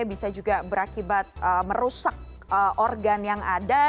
bisa juga berakibat merusak organ yang ada